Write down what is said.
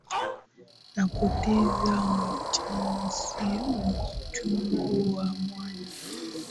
Napoteza mzazi, uchungu wa mwana.